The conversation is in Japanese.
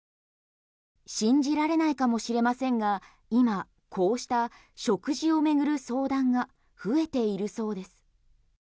信じられないかもしれませんが今こうした食事を巡る相談が増えているそうです。